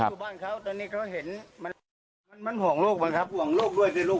อยู่บ้านเขาตอนนี้เขาเห็นมันมันห่วงลูกมันครับห่วงลูกด้วยสิลูก